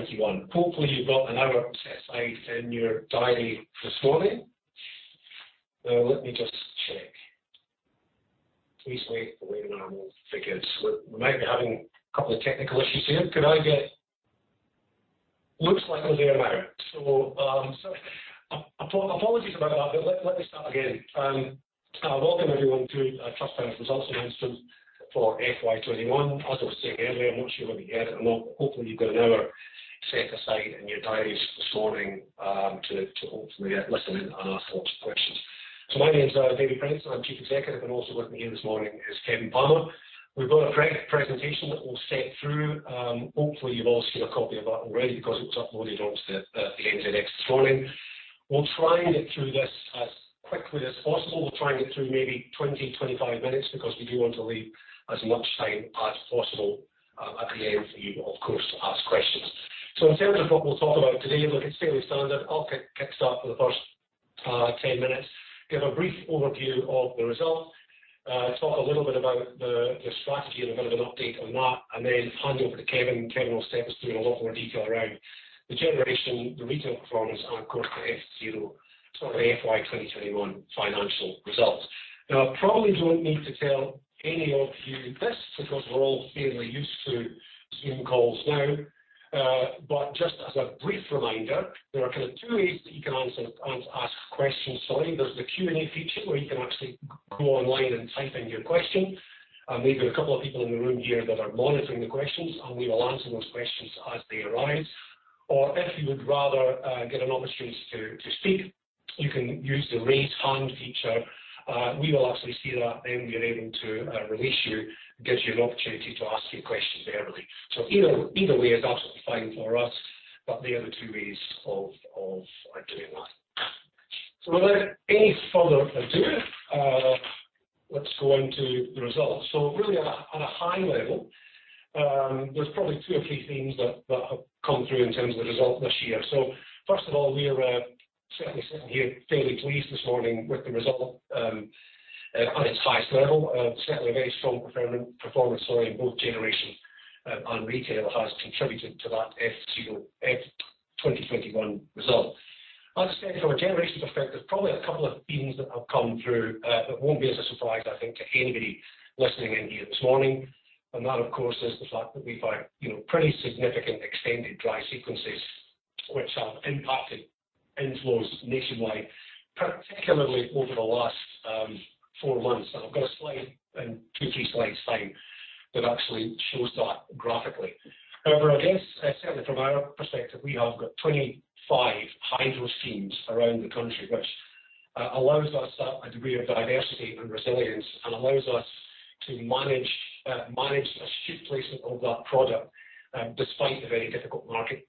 I welcome everyone to Trustpower Results announcement for FY 2021. As I was saying earlier, I want you to look at it. Hopefully you've got an hour set aside in your diaries this morning to hopefully listen in and ask lots of questions. My name is David Prentice, I'm Chief Executive. Also with me this morning is Kevin Palmer. We've got a great presentation that we'll step through. Hopefully, you've all seen a copy of that already because it's uploaded onto the internet this morning. We'll try and get through this as quickly as possible. We're trying to do maybe 20, 25 minutes because we do want to leave as much time as possible at the end for you, of course, to ask questions. In terms of what we'll talk about today, like I say, we started, I'll get kicked off for the first 10 minutes, give a brief overview of the results, talk a little bit about the strategy and a bit of an update on that, and then hand over to Kevin. Kevin will step through a lot more detail around the generation, the retail performance, and of course, the FY 2021 financial results. I probably don't need to tell any of you this because we're all fairly used to Zoom calls now. Just as a brief reminder, there are two ways that you can ask questions. There's the Q&A feature where you can actually go online and type in your question. We've got a couple of people in the room here that are monitoring the questions, and we will answer those questions as they arise. If you would rather get an opportunity to speak, you can use the Raise Hand feature. We will actually see that and be able to release you and get you an opportunity to ask your question verbally. Either way is absolutely fine for us, but they are the two ways of doing that. Without any further ado, let's go into the results. Really at a high level, there's probably two or three themes that have come through in terms of the results this year. First of all, we are certainly sitting here fairly pleased this morning with the result at its highest level. Certainly a very strong performance in both generation and retail has contributed to that FY 2021 result. As I said, from a generation perspective, probably a couple of themes that have come through. It won't be as a surprise, I think, to anybody listening in here this morning. That, of course, is the fact that we've had pretty significant extended dry sequences which have impacted inflows nationwide, particularly over the last four months. I've got a slide in two slides' time that actually shows that graphically. However, I guess certainly from our perspective, we have got 25 hydro schemes around the country, which allows us that degree of diversity and resilience and allows us to manage the stewardship of that product despite the very difficult market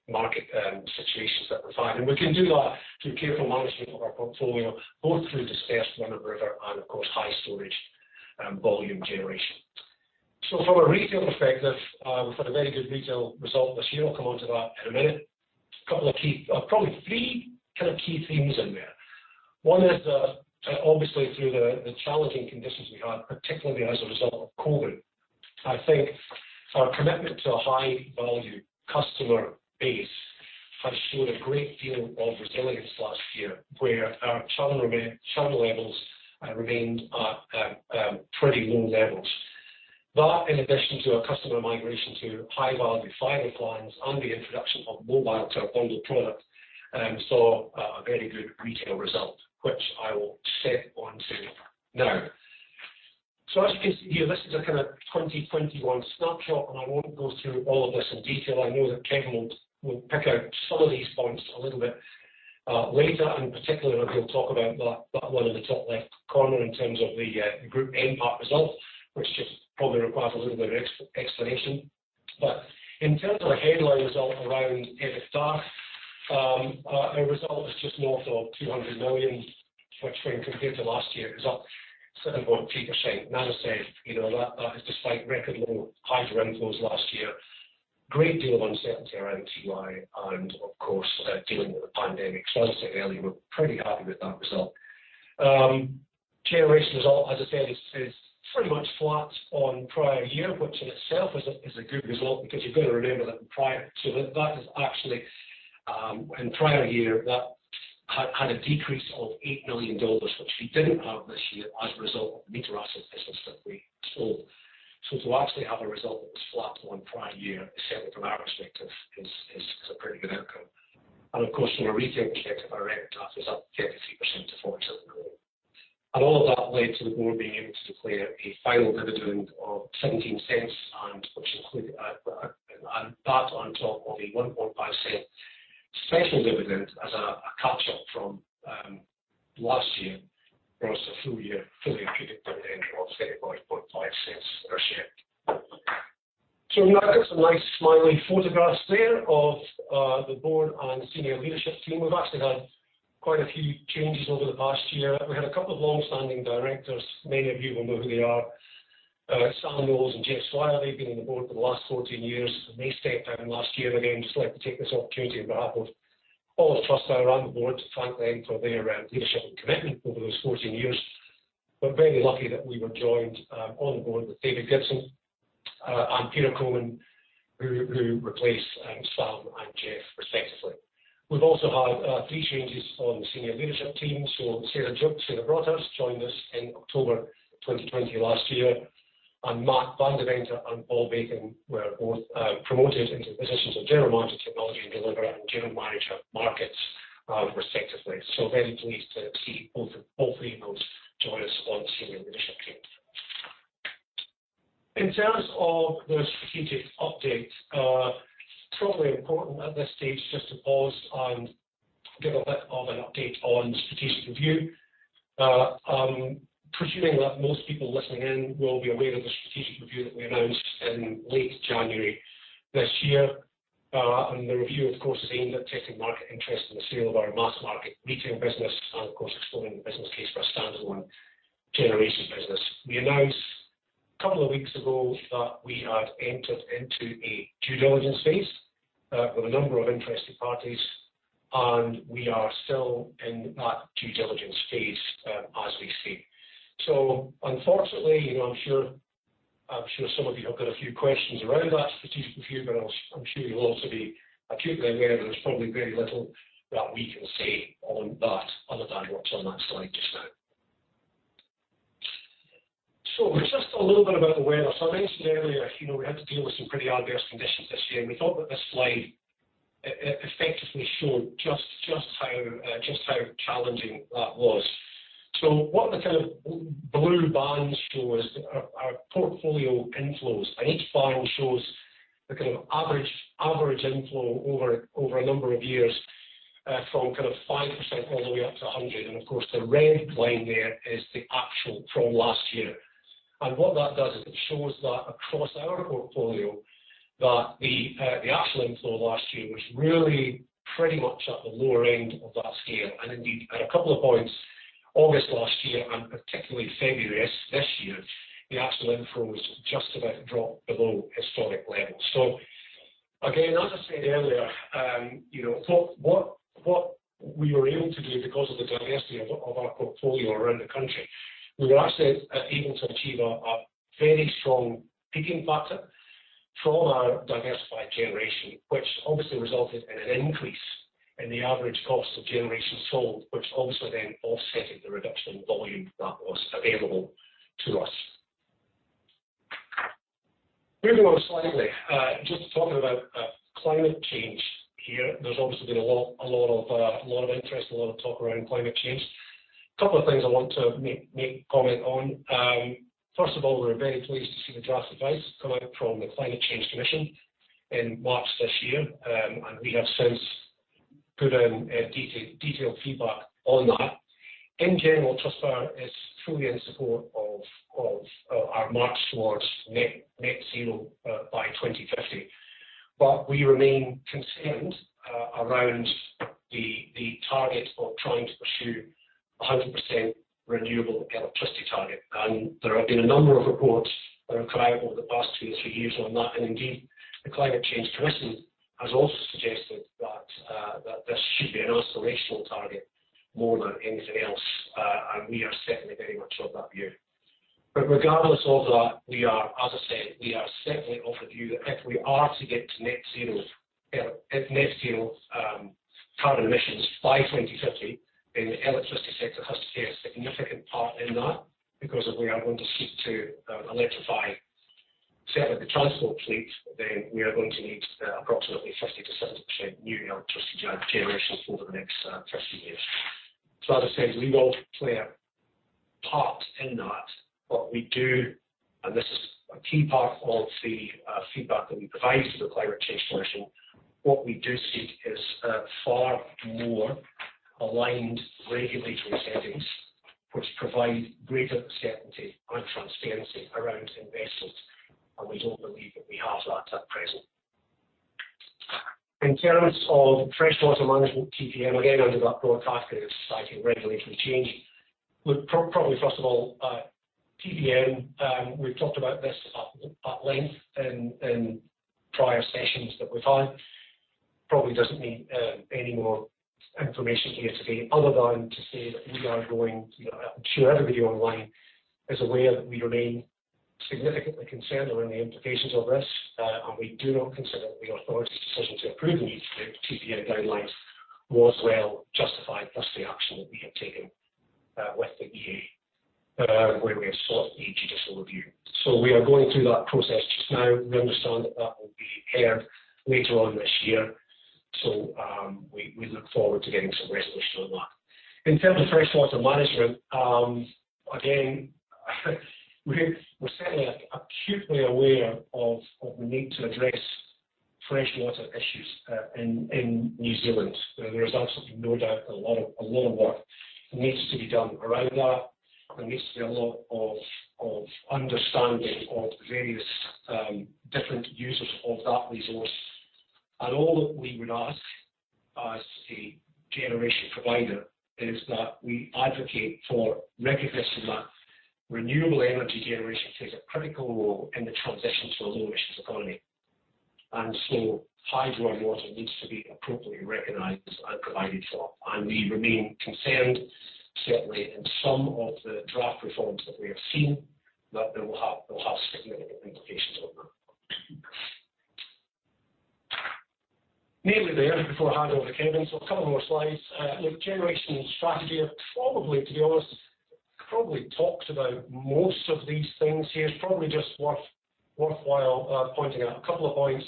situations that we find. We can do that through careful management of our portfolio, both through dispersed run-of-river and, of course, high storage volume generation. From a retail perspective, we've had a very good retail result this year. I'll come on to that in a minute. Probably three key themes in there. One is that obviously through the challenging conditions we had, particularly as a result of COVID, I think our commitment to a high value customer base has shown a great deal of resilience last year where our churn levels remained at pretty low levels. That in addition to our customer migration to high value tariff plans and the introduction of Mobile to our bundled product, saw a very good retail result, which I will step on to now. As you can see, this is a kind of 2021 snapshot, and I won't go through all of this in detail. I know that Kevin will pick out some of these points a little bit later, and particularly we can talk about that one in the top left corner in terms of the group NPAT result, which just probably requires a little bit of explanation. In terms of our headline result around EBITDA, our result was just north of 200 million, which when compared to last year is up 7.2%. As I said, that is despite record low hydro inflows last year. Great deal of uncertainty around Tiwai and of course, dealing with COVID. As I said earlier, we're pretty happy with that result. Generation result, as I said, is pretty much flat on prior year, which in itself is a good result because you've got to remember that in prior year, that had a decrease of 8 million dollars, which we didn't have this year as a result of meter asset business that we sold. To actually have a result that was flat on prior year, certainly from our perspective is a pretty good outcome. Of course, from a retail perspective, our NPAT is up 50% to 47 million. All of that led to the board being able to declare a final dividend of 0.17, and that on top of the 0.015 special dividend as a catch-up from last year versus a full year fully credited dividend of 0.185 per share. You might notice a nice smiling photograph there of the board and senior leadership team of us. We've had quite a few changes over the past year. We had a couple of long-standing directors. Many of you will know who they are. Sam Knowles and Geoff Swier, they've been on the board for the last 14 years. They stepped down last year. Again, just like to take this opportunity on behalf of all of us around the board to thank them for their leadership and commitment over those 14 years. We're very lucky that we were joined on the board with David Gibson and Peter Coman, who replaced Sam and Geoff respectively. We've also had a few changes on the senior leadership team. Sara Broadhurst joined us in October 2020 last year, and Matt van Deventer and Paul Beaton were both promoted into the positions of General Manager Technology and Delivery and General Manager Markets respectively. Very pleased to see both of them join us on the senior leadership team. In terms of the strategic update, it's probably important at this stage just to pause and give a bit of an update on the strategic review. I'm presuming that most people listening in will be aware of the strategic review that we announced in late January this year. The review, of course, is aimed at testing market interest in the sale of our mass market retail business and, of course, exploring the business case for a standalone generation business. We announced a couple of weeks ago that we have entered into a due diligence phase with a number of interested parties, and we are still in that due diligence phase as we speak. Unfortunately, I'm sure some of you have got a few questions around that strategic review, I'm sure you'll also be acutely aware there's probably very little that we can say on the dynamics on that slide just now. Just a little bit about the weather. I mentioned earlier, we had to deal with some pretty adverse conditions this year. We thought that this slide effectively showed just how challenging that was. What the kind of blue bands show is our portfolio inflows, each band shows the average inflow over a number of years from 5% all the way up to 100. Of course, the red line there is the actual from last year. What that does is it shows that across our portfolio, that the actual inflow last year was really pretty much at the lower end of that scale. Indeed, at a couple of points, August last year and particularly February this year, the actual inflow has just about dropped below historic levels. Again, as I said earlier, what we are able to do because of the diversity of our portfolio around the country, we were actually able to achieve a very strong peaking factor from our diversified generation, which obviously resulted in an increase in the average cost of generation sold, which obviously then offsetting the reduction in volume that was available to us. Moving on slightly, just to talk about climate change here. There's obviously been a lot of interest, a lot of talk around climate change. A couple of things I want to make comment on. First of all, we were very pleased to see the draft advice report from the Climate Change Commission in March this year, and we have since put in detailed feedback on that. In general, Trustpower is fully in support of our march towards net zero by 2050. We remain concerned around the target of trying to pursue 100% renewable electricity target. There have been a number of reports that are credible the past two to three years on that. Indeed, the Climate Change Commission has also suggested that this should be an aspirational target more than anything else, and we are certainly very much of that view. Regardless of that, as I said, we are certainly of the view that if we are to get to net zero carbon emissions by 2050, the electricity sector has to play a significant part in that because if we are going to seek to electrify the transport fleet, we are going to need approximately 50%-60% new electricity generation for the next 30 years. As I said, we all play a part in that. We do, and this is a key part of the feedback that we provided to the Climate Change Commission, what we do seek is a far more aligned regulatory settings which provide greater certainty and transparency around investment, and we don't believe that we have that at present. In terms of fresh water management TPM, again, under that broad category of society and regulatory change, look, probably, first of all, TPM, we've talked about this at length in prior sessions that we've had. Probably doesn't need any more information here today, other than to say that we are going, I'm sure everybody online is aware that we remain significantly concerned around the implications of this. We do not consider that the Authority's decision to approve the TPM guidelines was well justified, thus the action that we have taken with the EA, where we have sought judicial review. We are going through that process just now. We understand that will be heard later on this year. We look forward to getting some resolution on that. In terms of fresh water management, again, we're certainly acutely aware of the need to address fresh water issues in New Zealand. There's absolutely no doubt that a lot of work needs to be done around that. There needs to be a lot of understanding of various different users of that resource. All that we would ask as a generation provider is that we advocate for recognition that renewable energy generation plays a critical role in the transition to a low emissions economy. So hydro and water needs to be appropriately recognized and provided for. We remain concerned, certainly in some of the draft reforms that we have seen, that they will have significant implications on that. Nearly there before I hand over to Kevin. A couple more slides. With generation and strategy, probably Theo has probably talked about most of these things here. It's probably just worthwhile pointing out a couple of points.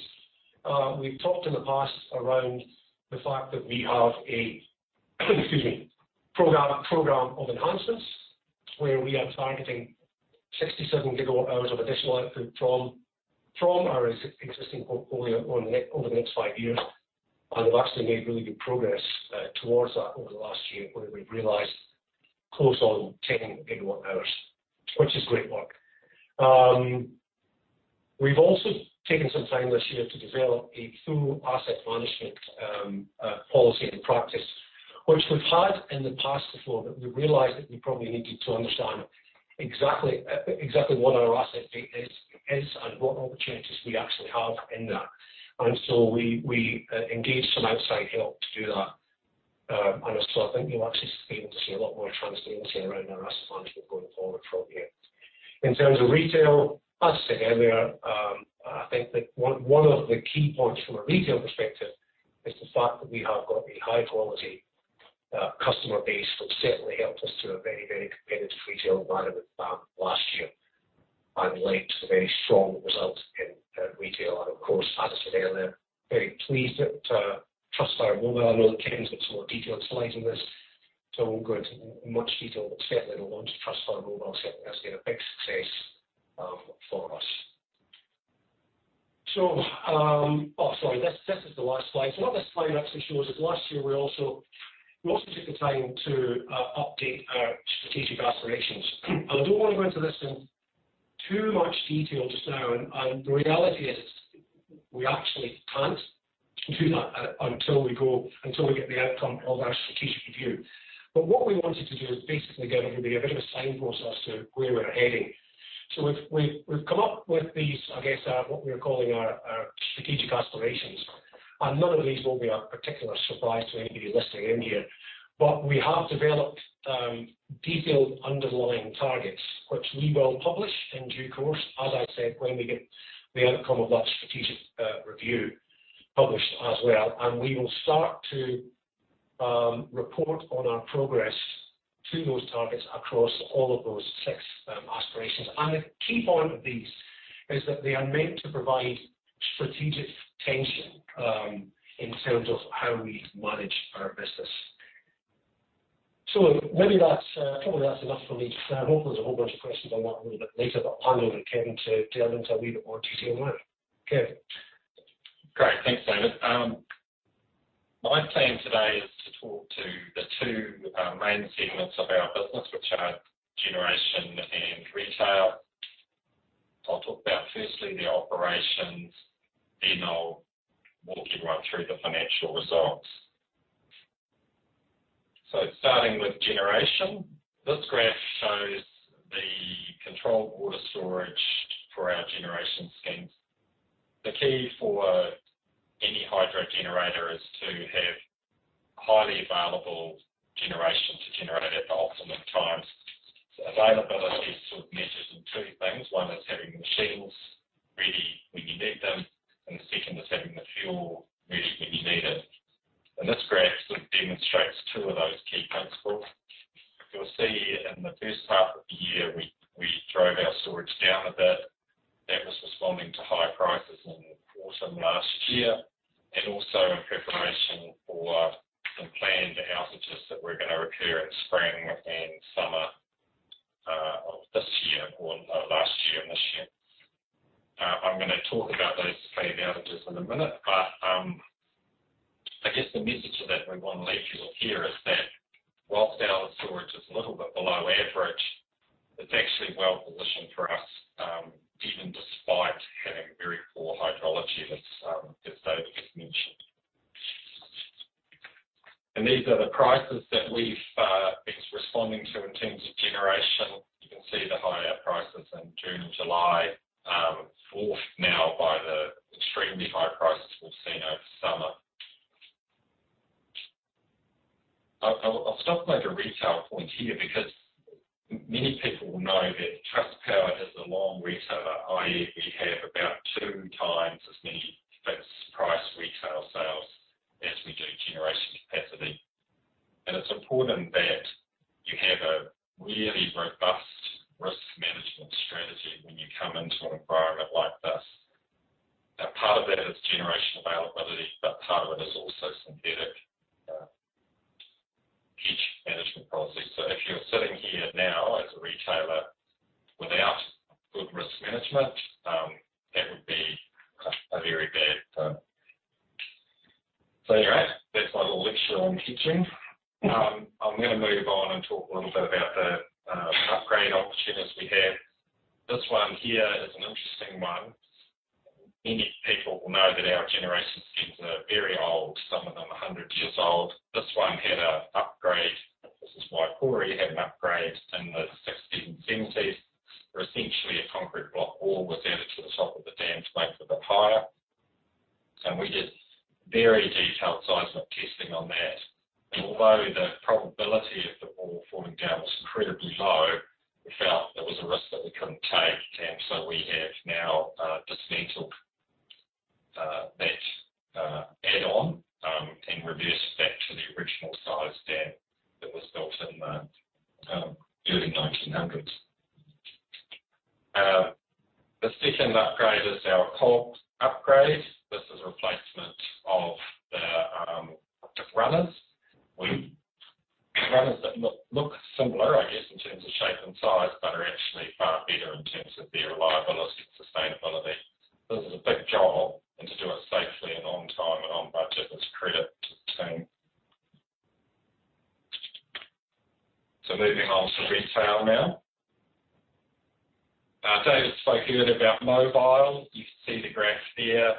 We've talked in the past around the fact that we have a excuse me, program of enhancements where we are targeting 67 GWh of additional output from our existing portfolio over the next five years, and lastly, made really good progress towards that over the last year, where we realized close on 10 GWh, which is great work. We've also taken some time this year to develop a full asset management policy and practice, which we've tried in the past before, but we realized that we probably needed to understand exactly what our asset is and what opportunities we actually have in that. We engaged some outside help to do that. I think you'll actually be able to see a lot more transparency around our asset management going forward from here. In terms of retail, as I said earlier, I think one of the key points from a retail perspective is the fact that we have got a high-quality customer base, which certainly helped us to a very, very competitive retail environment last year and led to very strong results in retail. Of course, as I said earlier, very pleased with Trustpower Mobile. I know Kevin will go into more detail tonight on this, so I won't go into much detail. Certainly the launch of Trustpower Mobile certainly has been a big success for us. Oh, sorry, this is the last slide. What this slide actually shows is last year we also took the time to update our strategic aspirations. I don't want to go into this in too much detail just now. The reality is we actually can't do that until we get the outcome of our strategic review. What we wanted to do is basically give everybody a bit of signpost as to where we're heading. We've come up with these, I guess what we are calling our strategic aspirations, and none of these will be a particular surprise to anybody listening in here. We have developed detailed underlying targets, which we will publish in due course, as I said, when we get the outcome of that strategic review published as well. We will start to report on our progress to those targets across all of those six aspirations. A key point of these is that they are meant to provide strategic tension, in terms of how we manage our business. Maybe that's all, that's enough for me. I'm sure there's a whole bunch of questions I'll answer a bit later, but I'll hand over to Kevin to delve into a wee bit more detail now. Kevin. Great. Thanks, David. My plan today is to talk to the two main segments of our business, which are generation and retail. I'll talk about firstly the operations, then I'll walk you right through the financial results. Starting with generation, this graph shows the controlled water storage for our generation schemes. The key for any hydro generator is to have highly available generation to generate at the optimum times. Availability is sort of measured in two things. One is having machines ready when you need them, and the second is having the fuel ready when you need it. This graph sort of demonstrates two of those key principles. You'll see in the first half of the year we drove our storage down a bit. That was responding to high prices in autumn last year, and also in preparation for some planned outages that were going to occur in spring and summer of this year or last year and this year. I'm going to talk about those planned outages in a minute. I'm going to move on and talk a little bit about the upgrade opportunities we have. This one here is an interesting one. Many people will know that our generation schemes are very old, some of them are 100 years old. This one had an upgrade. We already had an upgrade in the '1960s and '1970s, where essentially a concrete block wall was added to the top of the dam to make it higher. We did very detailed seismic testing on that. Although the probability of the wall falling down was incredibly low, we felt it was a risk that we couldn't take. We have now dismantled that add-on, and reversed back to the original size dam that was built in the early 1900s. The second upgrade is our Cobb upgrade. This is replacement of the runners. We have runners that look similar, I guess, in terms of shape and size, but are actually far better in terms of their reliability and sustainability. This is a big job, and to do it safely and on time and on budget is a credit to the team. Moving on to retail now. David spoke earlier about Mobile. You can see the graph here.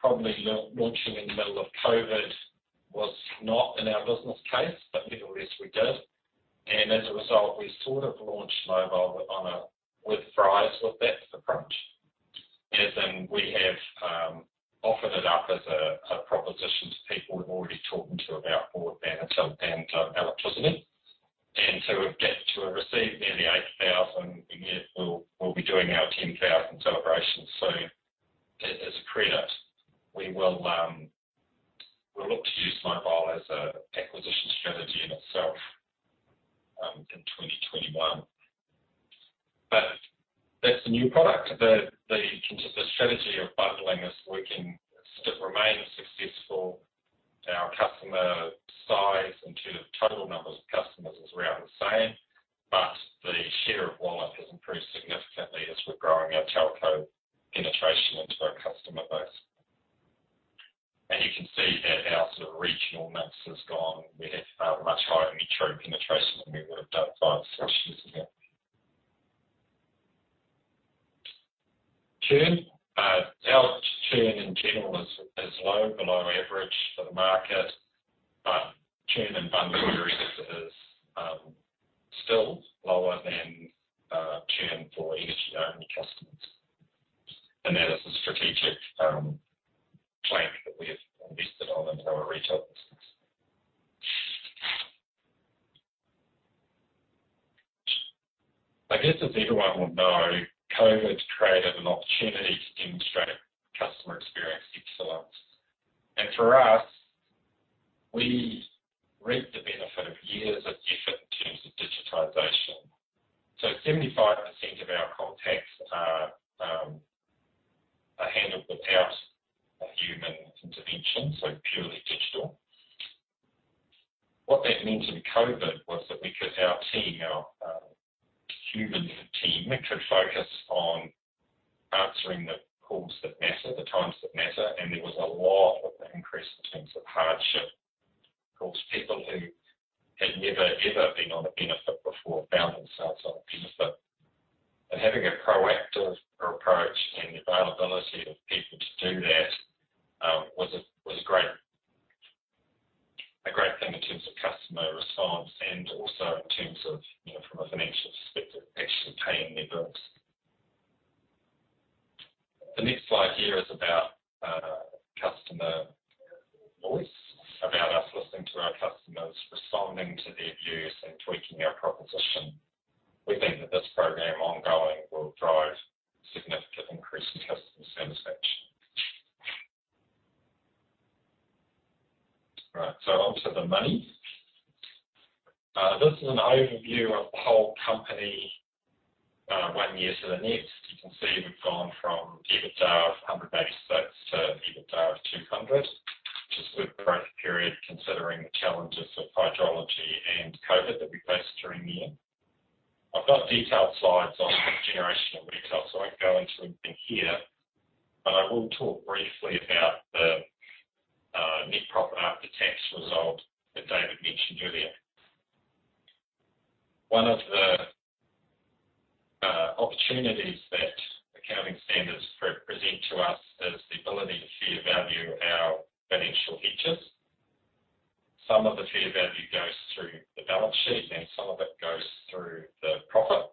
Probably launching in the middle of COVID was not in our business case, nevertheless, we did. As a result, we sort of launched Mobile with fries with that, for brunch. As in, we have offered it up as a proposition to people we've already talking to about telco and electricity. To date, we have received nearly 8,000. We'll be doing our 10,000 celebrations soon. It is a credit. We will could, our team, our human team, metro focused on answering the calls that matter, the times that matter. There was a lot of increase in terms of hardship. Of course, people who had never, ever been on a benefit before found themselves on a benefit. Having a proactive approach and the availability of people to do that, was a great thing in terms of customer response and also in terms of, from a financial perspective, actually paying their bills. The next slide here is about customer voice, about us listening to our customers, responding to their views, and tweaking our proposition. We think that this program ongoing will drive significant increase in customer satisfaction. Right. Onto the money. This is an overview of the whole company one year to the next. You can see we've gone from EBITDA of 186 to EBITDA of 200, just with the current period considering the challenges of hydrology and COVID that we faced during the year. I've got detailed slides on generation and retail, so I won't go into anything here, but I will talk briefly about the net profit after tax result that David mentioned earlier. One of the opportunities that accounting standards present to us is the ability to fair value our financial hedges. Some of the fair value goes through the balance sheet, and some of it goes through the profit.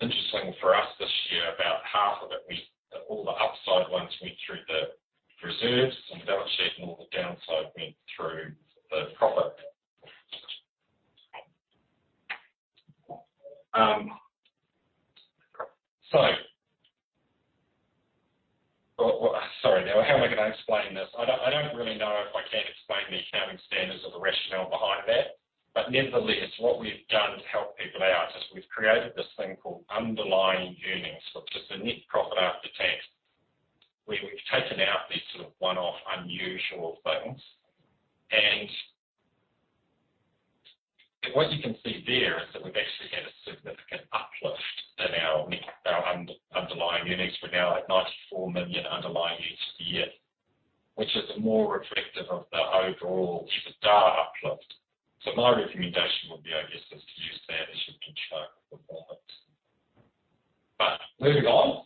Interesting for us this year, about half of it, all the upside ones went through the reserves and balance sheet, and all the downside went through the profit. Sorry. How am I going to explain this? I don't really know if I can explain the accounting standards or the rationale behind that. Nevertheless, what we've done to help people out is we've created this thing called underlying earnings, which is the net profit after tax, where we've taken out these sort of one-off unusual things. What you can see there is that we've actually had a significant uplift in our underlying earnings. We're now at 94 million underlying each year, which is more reflective of the overall EBITDA uplift. My recommendation. Moving on.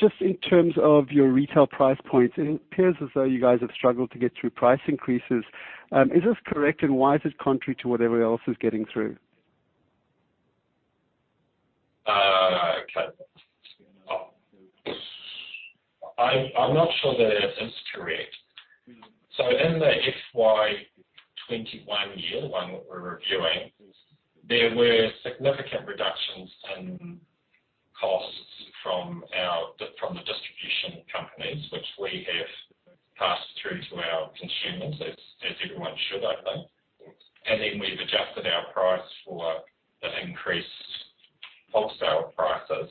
Just in terms of your retail price points, it appears as though you guys have struggled to get through price increases. Is this correct, and why is it contrary to what everybody else is getting through? I'm not sure that it is correct. In the FY 2021 year, the one that we're reviewing, there were significant reductions in costs from the distribution companies, which we have passed through to our consumers, as everyone should, I think. We've adjusted our price for the increased wholesale prices.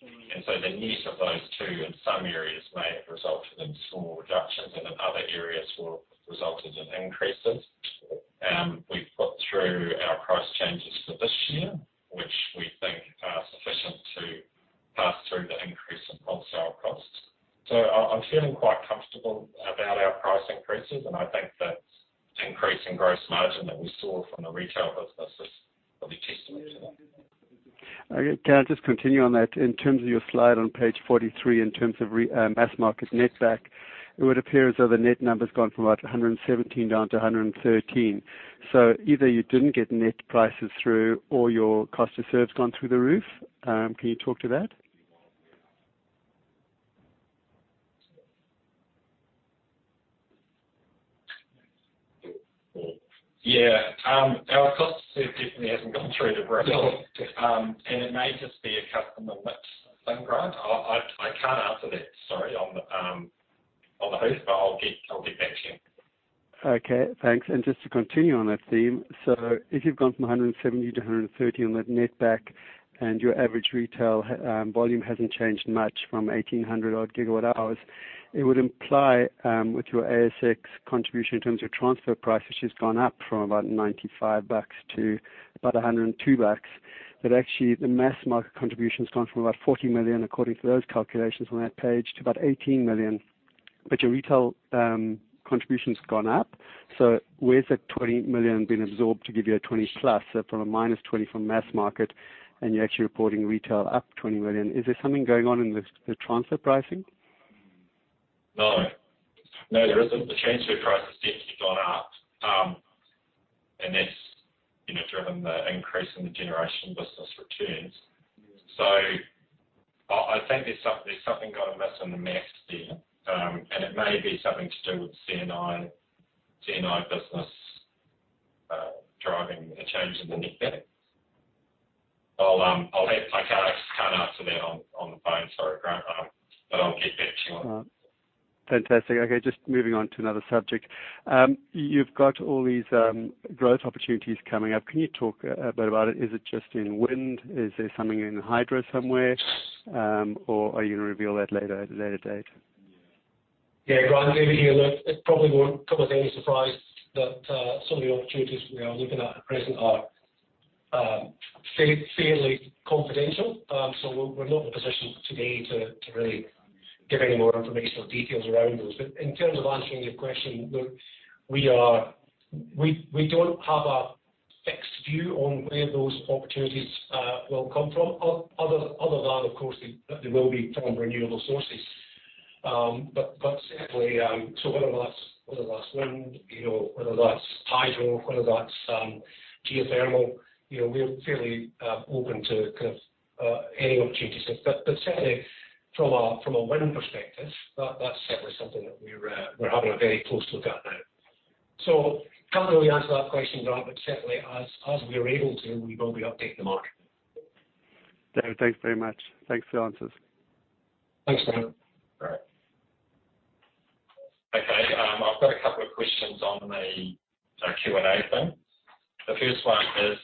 The net of those two in some areas may have resulted in small reductions and in other areas will have resulted in increases. We put through our price changes for this year, which we think are sufficient to pass through the increase in wholesale costs. I'm feeling quite comfortable about our price increases, and I think that the increase in gross margin that we saw from the retail business is a testament to that. Okay. Can I just continue on that, in terms of your slide on page 43, in terms of mass market netback, it would appear as though the net number's gone from 117 down to 113. Either you didn't get net prices through or your cost of serve's gone through the roof. Can you talk to that? Yeah. Our cost of serve definitely hasn't gone through the roof. It may just be a customer mix thing, Grant. I can't answer that, sorry, I'll get back to you. Okay, thanks. Just to continue on that theme. If you've gone from 117 to 113 with net debt and your average retail volume hasn't changed much from 1,800 odd gigawatt hours, it would imply, with your ASX contribution in terms of transfer price, which has gone up from about 95 bucks to about 102 bucks. Actually, the mass market contribution's gone from about 40 million, according to those calculations on that page, to about 18 million. Your retail contribution's gone up. Where's that 20 million been absorbed to give you a 20 plus? From a minus 20 from mass market and you're actually reporting retail up 20 million. Is there something going on in the transfer pricing? No. No, there isn't. The transfer price has definitely gone up. That's driven the increase in the generation business returns. I think there's something going missing in the math there. It may be something to do with C&I business driving the change in the net debt. I just can't answer that on the phone. Sorry, Grant, but I'll get back to you on it. Fantastic. Just moving on to another subject. You've got all these growth opportunities coming up. Can you talk a bit about it? Is it just in wind? Is there something in hydro somewhere? Or are you going to reveal that at a later date? Yeah. Grant, it probably won't come as any surprise that some of the opportunities we are looking at present are fairly confidential. We're not in a position today to really give any more information or details around those. In terms of answering your question, look, we don't have a fixed view on where those opportunities will come from. Other than, of course, they will be from renewable sources. Certainly, whether that's wind, whether that's tidal, whether that's geothermal, we are fairly open to any opportunities. Certainly from a wind perspective, that's certainly something that we're having a very close look at now. Can't really answer that question, Grant, but certainly as we are able to, we will update the market. Okay. Thanks very much. Thanks for the answers. Thanks, Grant. Great. Okay, I've got a couple of questions on the Q&A then. The first one is,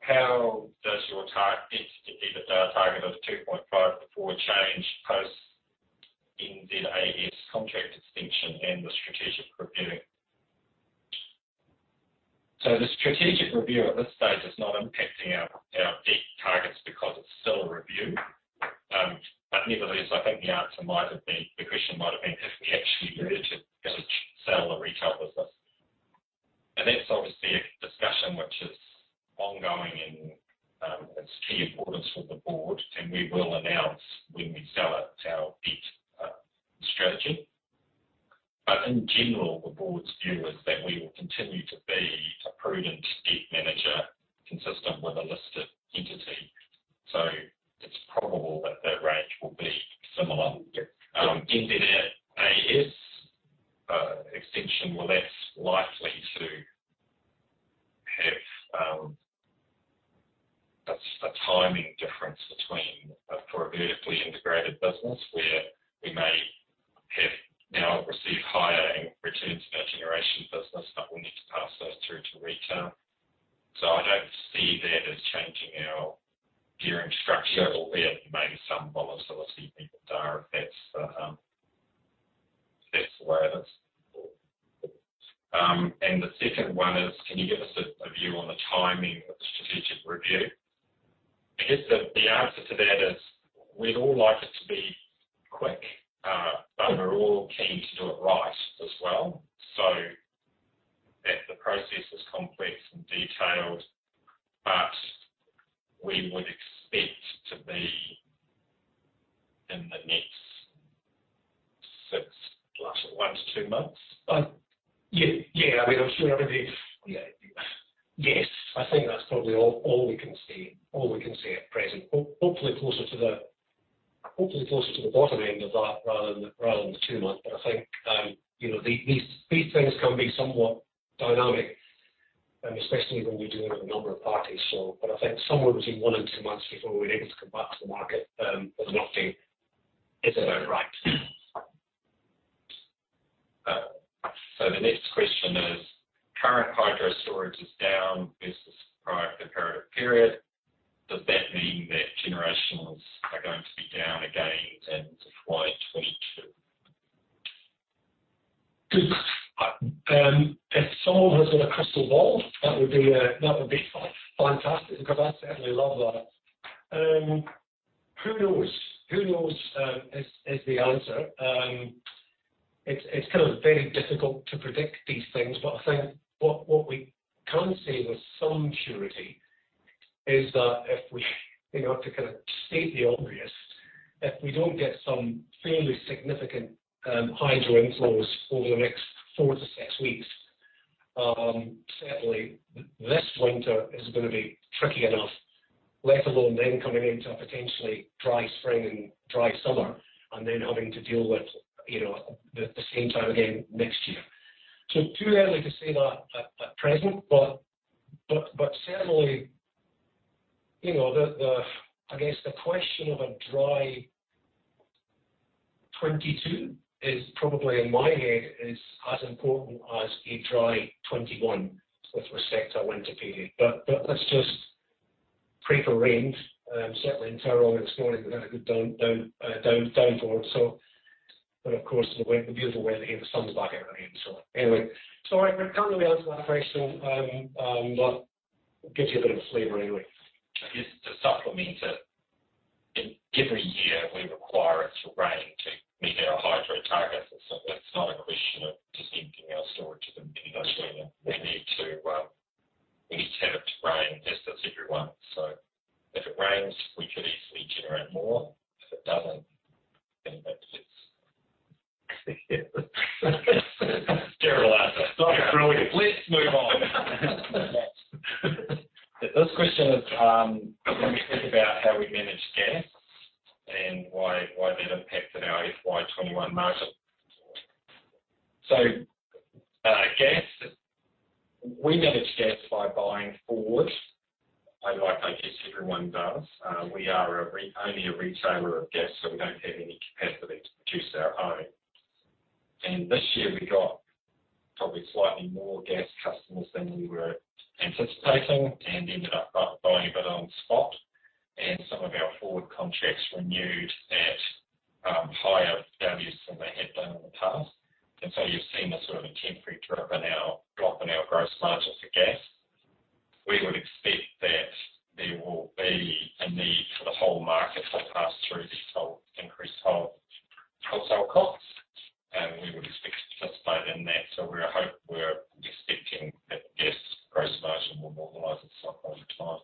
how does your target debt compete with our target of 2.5 before change post NZAS contract extension and the strategic review? The strategic review at this stage is not impacting our debt targets because it's still a review. Nevertheless, I think the question might have been if we actually were to sell the retail business. That's obviously a discussion which is ongoing and it's of key importance for the board, and we will announce when we sell it, our debt strategy. In general, the board's view is that we will continue to be a prudent debt manager consistent with a listed entity. It's probable that that range will be similar. NZAS extension, well, that's likely to have a timing difference between for a vertically integrated business where we may have now received higher returns for our generation business, but we need to pass those through to retail. I don't see that as changing our gearing structure, albeit maybe some volatility in the debt, but that's the way it is. The second one is, can you give us a view on the timing of the strategic review? I guess the answer to that is we'd all like it to be quick, but we're all keen to do it right as well. The process is complex and detailed, but we would expect to be in the next six-plus or one to two months. Yeah. I mean, I'm sure everybody's Yes, I think that's probably all we can say. All we can say at present. Hopefully closer to the bottom end of that rather than the two months. I think these things can be somewhat dynamic, especially when we're dealing with a number of parties. I think somewhere between one and two months before we're able to come back to the market with an update is about right. The next question is, current hydro storage is down versus prior to the current period. Does that mean that generations are going to be down again then before FY 2022? If someone has a crystal ball, that would be fantastic. I'd certainly love that. Who knows? Who knows is the answer. It's still very difficult to predict these things, but I think what we can say with some surety is that to kind of state the obvious, if we don't get some fairly significant hydro inflows over the next four to six weeks, certainly this winter is going to be tricky enough. Let alone then coming into a potentially dry spring and dry summer and then having to deal with the same thing again next year. Too early to say that at present, but certainly I guess the question of a dry 2022 is probably, in my head, is as important as a dry 2021 with respect to our winter period. Let's just pray for rain. Certainly in Tauranga, it's not looking good down south. Of course, the beautiful weather, the sun's back out anyway. I probably answered that question, but gives you a bit of flavor anyway. Just to supplement it. Every year we require it to rain to meet our hydro targets. That's not a question of just keeping our storage at the minimum. We just have to rain, just as everyone. If it rains, we could easily generate more. If it doesn't, then that's it. Sterilize. Not brilliant. Let's move on. This question is, when you think about how we manage gas and why that impacted our FY 2021 margin. Gas. We manage gas by buying forward, like I guess everyone does. We are only a retailer of gas, so we don't have any capacity to produce our own. This year we got probably slightly more gas customers than we were anticipating and ended up buying a bit on the spot, and some of our forward contracts renewed at higher values than they had been in the past. You've seen a sort of temporary drop in our gross margin for gas. We would expect that there will be a need for the whole market to pass through these increased wholesale costs, and we would expect to participate in that. We're expecting that gas gross margin will normalize at some point in time.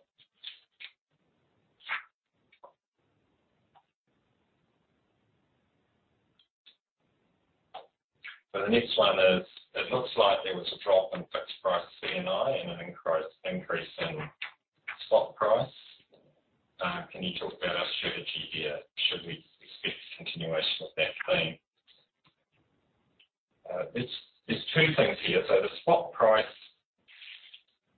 The next one is, "It looks like there was a drop in fixed price C&I and an increase in spot price. Can you talk about our strategy here? Should we expect a continuation of that theme?" There's two things here. The spot price,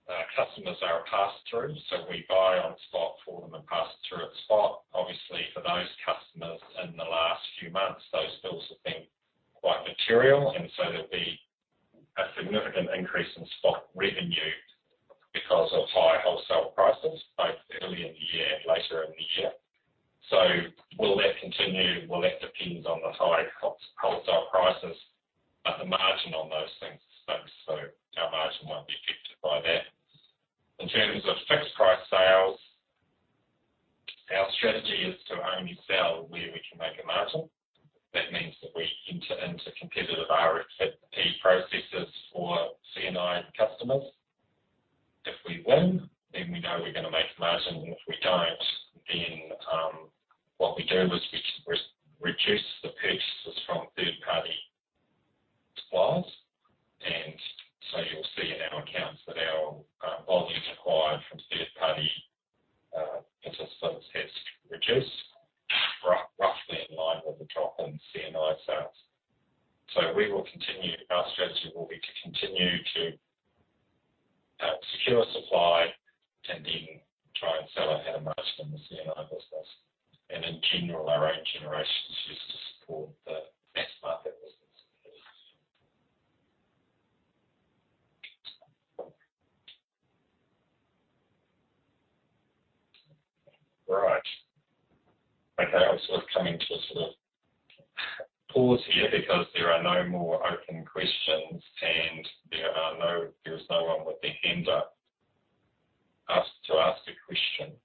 our customers are a pass-through, so we buy on spot for them and pass through at spot. Obviously, for those customers in the last few months, those bills have been quite material, there'll be a significant increase in spot revenue because of higher wholesale prices, both early in the year and later in the year. Will that continue? Well, that depends on the higher wholesale prices, the margin on those things, our margin won't be affected by that. In terms of fixed price sales, our strategy is to only sell where we can make a margin. That means that we enter into competitive RFP processes for C&I customers. If we win, we know we're going to make a margin. If we don't, what we do is we reduce the purchases from third-party suppliers. You'll see in our accounts that our volumes acquired from third-party participants has reduced, roughly in line with the drop in C&I sales. Our strategy will be to continue to secure supply and then try and sell ahead of margin in the C&I business. In general, our own generation is just to support the fixed market business. Right. Okay. I was looking to sort of pause here because there are no more open questions, and there's no one with their hand up to ask a question.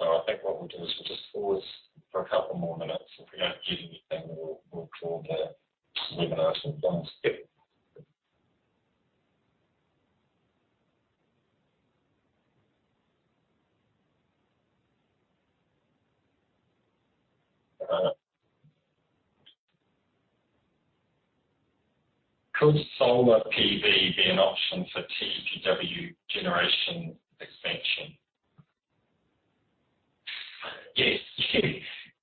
I think what we'll do is just pause for a couple more minutes. If we don't get anything, we'll draw the webinar to a close then. Could solar PV be an option for Manawa Energy generation expansion? Yes.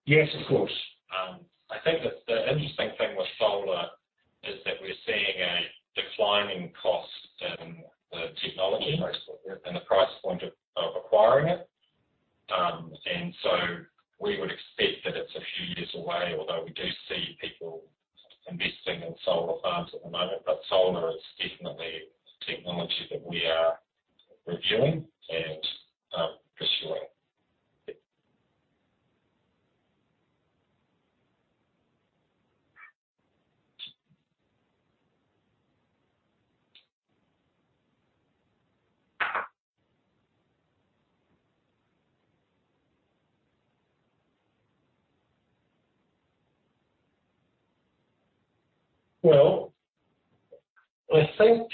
Yes, of course. I think the interesting thing with solar is that we're seeing a declining cost in the technology and the price point of acquiring it. We would expect that it's a few years away, although we do see people investing in solar farms at the moment. Solar is definitely a technology that we are reviewing and pursuing. I think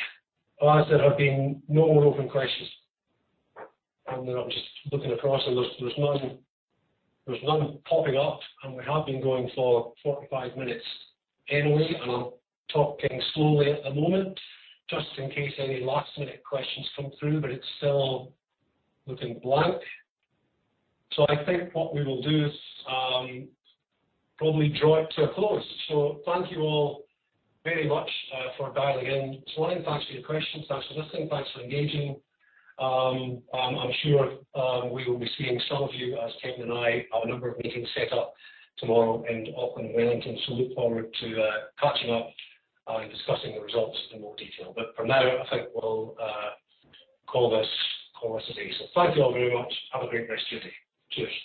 as there have been no more open questions, and we're not just looking across, and there's none popping up, and we have been going for 45 minutes anyway, and I'm talking slowly at the moment just in case any last-minute questions come through, but it's still looking blank. I think what we will do is probably draw it to a close. Thank you all very much for dialing in tonight. Thanks for your questions. Thanks for listening. Thanks for engaging. I'm sure we will be seeing some of you, as Kevin and I have a number of meetings set up tomorrow in Auckland and Wellington, so look forward to catching up and discussing the results in more detail. For now, I think we'll call this closed today. Thank you all very much. Have a great rest of your day. Cheers.